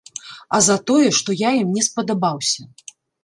А за тое, што я ім не спадабаўся.